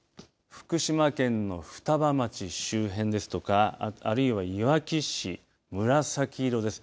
福島県の双葉町周辺ですとかあるいはいわき市、紫色です。